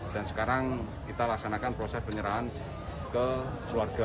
dan sekarang kita laksanakan proses penyerahan ke keluarga korban